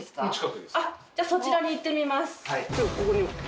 じゃそちらに行ってみます。